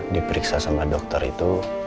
diperiksa sama dokter itu